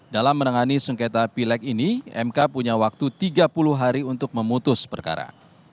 dalam menangani sengketa pilek ini mk punya waktu tiga puluh hari untuk memutus perkara